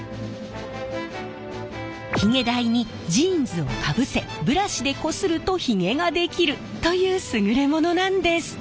ヒゲ台にジーンズをかぶせブラシでこするとヒゲができるという優れものなんです。